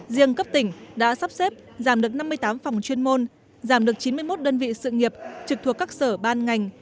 riêng cấp tỉnh đã sắp xếp giảm được năm mươi tám phòng chuyên môn giảm được chín mươi một đơn vị sự nghiệp trực thuộc các sở ban ngành